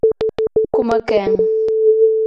¿Coma quen?